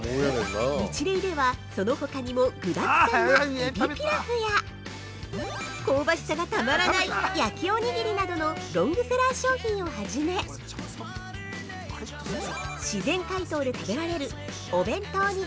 ◆ニチレイでは、そのほかにも具だくさん「えびピラフ」や香ばしさがたまらない「焼おにぎり」などのロングセラー商品をはじめ自然解凍で食べられる「お弁当にＧｏｏｄ！」